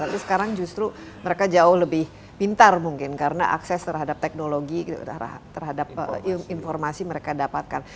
tapi sekarang justru mereka jauh lebih pintar mungkin karena akses terhadap teknologi terhadap informasi mereka dapatkan